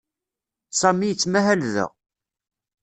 Sami yettmahal da.